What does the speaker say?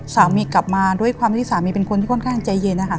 สามีกลับมาด้วยความที่สามีเป็นคนที่ค่อนข้างใจเย็นนะคะ